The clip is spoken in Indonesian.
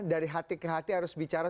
dari hati ke hati harus bicara